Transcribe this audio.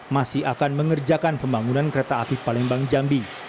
masih akan mengerjakan pembangunan kereta api palembang jambi